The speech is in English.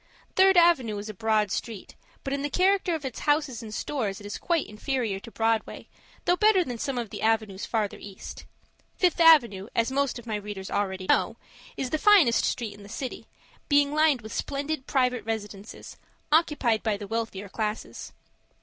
Third Avenue is a broad street, but in the character of its houses and stores it is quite inferior to Broadway, though better than some of the avenues further east. Fifth Avenue, as most of my readers already know, is the finest street in the city, being lined with splendid private residences, occupied by the wealthier classes.